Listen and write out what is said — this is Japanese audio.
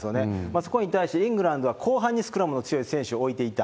そこに対して、イングランドは後半にスクラムの強い選手を置いてた。